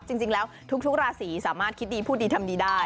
จริงแล้วทุกราศีสามารถคิดดีพูดดีทำดีได้